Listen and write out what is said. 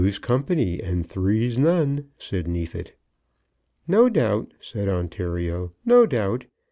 ] "Two's company and three's none," said Neefit. "No doubt," said Ontario; "no doubt.